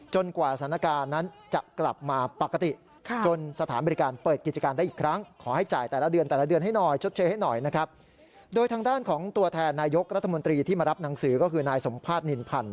จนกว่าสถานการณ์นั้นจะกลับมาปกติ